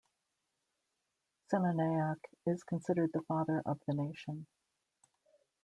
Senanayake is considered the "father of the nation".